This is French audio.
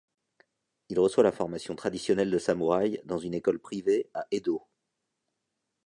Il reçoit la formation traditionnelle de samouraï dans une école privée à Edo.